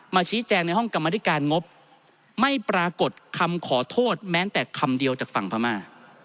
ชี้แจงในห้องกรรมธิการงบไม่ปรากฏคำขอโทษแม้แต่คำเดียวจากฝั่งพม่า